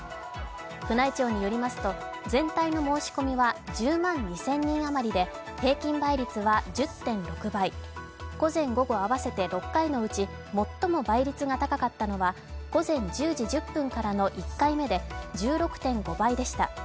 宮内庁によりますと全体の申し込みは１０万２０００人余りで平均倍率は１０．６倍、午前午後合わせて６回のうち最も倍率が高かったのは、午前１０時１０分からの１回目で１６．５倍でした。